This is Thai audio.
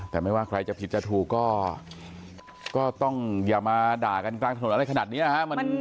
แต่ไม่ว่าใครจะผิดจะถูกก็ต้องอย่ามาด่ากันกลางถนนอะไรขนาดนี้นะฮะ